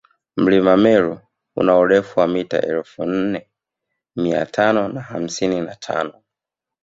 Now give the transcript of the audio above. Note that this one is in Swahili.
mlima meru una urefu wa mita elfu nne miatano na hamsini na tano